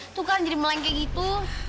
tuh kan jadi melengke gitu